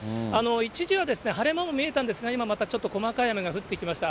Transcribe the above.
一時は晴れ間も見えたんですが、今またちょっと細かい雨が降ってきました。